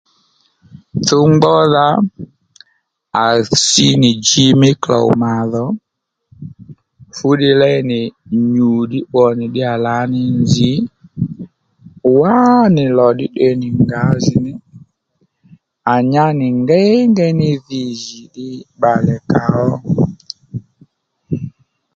Tsúw ngbódha à sí nì dji mí klow mà dho fú ddiy léy nì nyù ddí 'wò nì ddí yà lǎ ní nzǐ wá nì lò ddí tde nì ddíya ngǎjìní à nyá nì ngéyngéy ní dhi jì ddí bbalè kà ó